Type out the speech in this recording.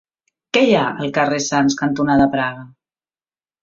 Què hi ha al carrer Sants cantonada Praga?